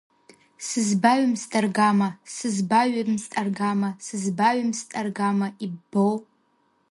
Сызбаҩымст аргама, сызбаҩымст аргама, сызбаҩымст аргама, иббоу!